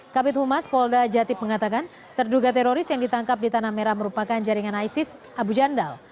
kabit humas polda jatib mengatakan terduga teroris yang ditangkap di tanah merah merupakan jaringan isis abu jandal